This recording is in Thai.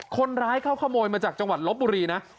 คนร้ายเขาขโมยมาจากจังหวัดลบบุรีนะ